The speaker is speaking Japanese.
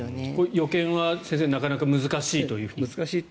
予見は先生、なかなか難しいと。